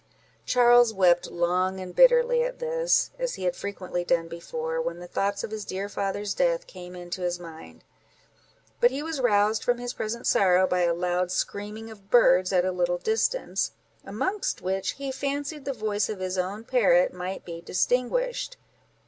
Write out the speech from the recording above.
Charles wept long and bitterly at this time, as he had frequently done before, when the thoughts of his dear father's death came into his mind; but he was roused from his present sorrow by a loud screaming of birds at a little distance, amongst which he fancied the voice of his own parrot might be distinguished.